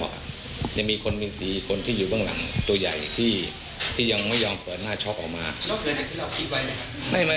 บางนิดผมก็ไปปรึกษากฎหมายกับฤรลงค์ทั่วเหมือนกัน